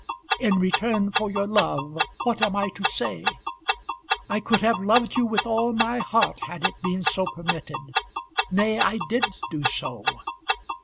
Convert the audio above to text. "In return for your love, what am I to say? I could have loved you with all my heart had it been so permitted. Nay, I did do so.